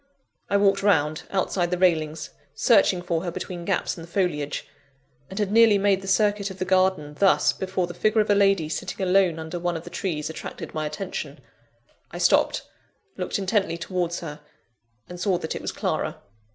I walked round, outside the railings, searching for her between gaps in the foliage; and had nearly made the circuit of the garden thus, before the figure of a lady sitting alone under one of the trees, attracted my attention. I stopped looked intently towards her and saw that it was Clara.